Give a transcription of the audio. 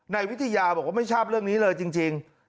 นายวิทยาบอกว่าไม่ทราบเรื่องนี้เลยจริง